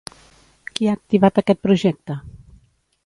Qui ha activat aquest projecte?